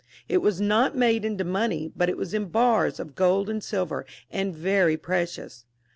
It was not made into money, but was in bars of gold and silver, and very pre cious.